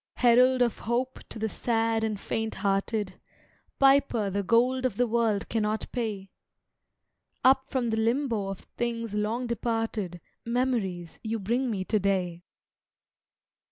Herald of Hope to the sad and faint hearted, Piper the gold of the world cannot pay, Up from the limbo of things long departed Memories you bring me to day.